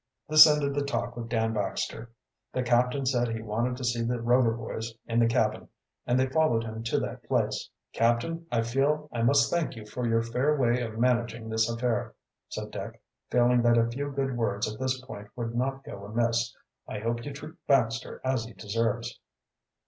This ended the talk with Dan Baxter. The captain said he wanted to see the Rover boys in the cabin, and they followed him to that place. "Captain, I feel I must thank you for your fair way of managing this affair," said Dick, feeling that a few good words at this point would not go amiss. "I hope you treat Baxter as he deserves."